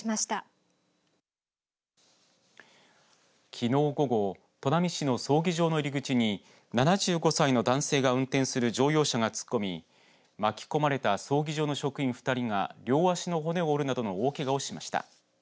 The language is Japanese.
きのう午後、砺波市の葬儀場の入り口に７５歳の男性が運転する乗用車が突っ込み巻き込まれた葬儀場の職員２人が両足の骨を折るなどの大けがをしました。